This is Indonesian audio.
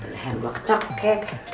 leher gua kecak kek